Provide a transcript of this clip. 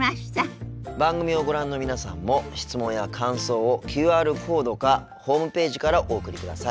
番組をご覧の皆さんも質問や感想をＱＲコードかホームページからお送りください。